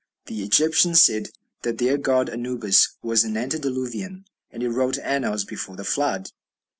The Egyptians said that their god Anubis was an antediluvian, and it "wrote annals before the Flood."